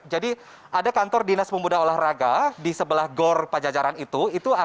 jadi ada kantor dinas pembuda olahraga di sebelah gor pajajaran itu